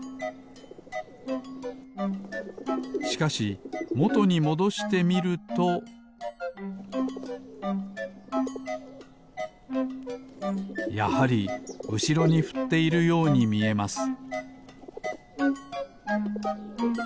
しかしもとにもどしてみるとやはりうしろにふっているようにみえます